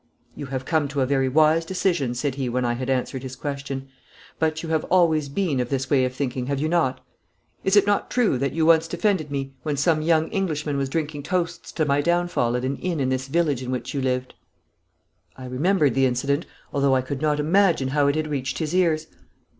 'You have come to a very wise decision,' said he when I had answered his question. 'But you have always been of this way of thinking, have you not? Is it not true that you once defended me when some young Englishman was drinking toasts to my downfall at an inn in this village in which you lived?' I remembered the incident, although I could not imagine how it had reached his ears.